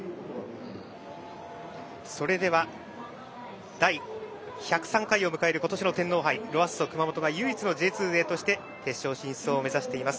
それでは、第１０３回を迎える今年の天皇杯ロアッソ熊本は唯一のＪ２勢として決勝進出を目指しています。